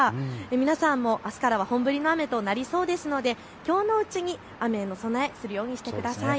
皆さんもあすからは本降りの雨となりそうですのできょうのうちに雨への備えをするようにしてください。